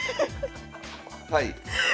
はい。